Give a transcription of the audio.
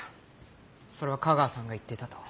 それは架川さんが言っていたと。